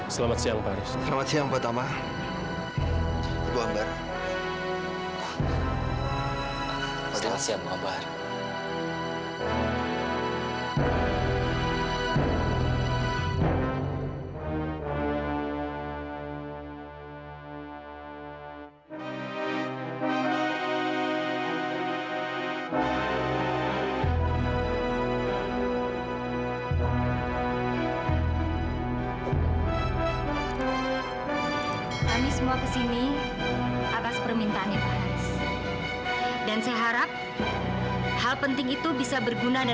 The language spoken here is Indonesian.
sampai jumpa di video selanjutnya